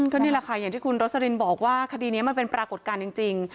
ก็นี่แหละค่ะอย่างที่คุณโรสลินบอกว่าคดีนี้มันเป็นปรากฏการณ์จริง